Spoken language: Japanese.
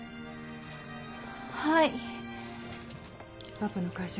パパの会社